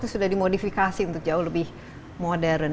sudah dimodifikasi untuk jauh lebih modern